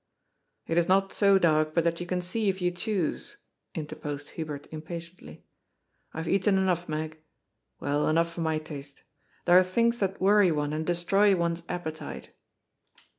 *^ It is not so dark but that you can see if you choose," interposed Hubert impatiently. ^'I have eaten enough, Meg. Well, enough for my taste. There are things that worry one and destroy one's appetite."